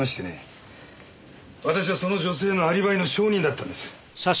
私はその女性のアリバイの証人だったんです。